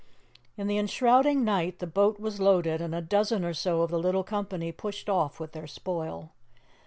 In the enshrouding night the boat was loaded, and a dozen or so of the little company pushed off with their spoil.